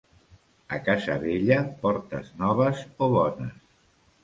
A casa vella, portes noves o bones.